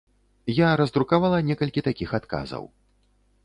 Я раздрукавала некалькі такіх адказаў.